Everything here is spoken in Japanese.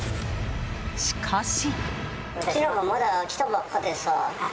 しかし。